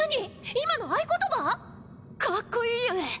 今の合言葉⁉かっこいいゆえ！